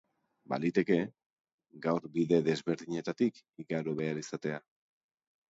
Baliteke gaur bide desberdinetatik igaro behar izatea.